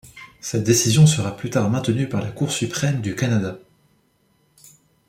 Sa décision sera plus tard maintenue par la Cour suprême du Canada.